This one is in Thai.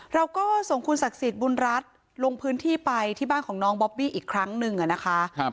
เราก็ส่งคุณศักดิ์สิทธิ์บุญรัฐลงพื้นที่ไปที่บ้านของน้องบอบบี้อีกครั้งหนึ่งนะคะ